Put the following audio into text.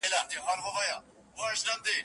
پر ایستلو زحمتو باندي پښېمان سو